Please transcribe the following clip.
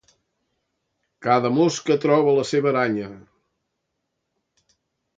Cada mosca troba la seva aranya.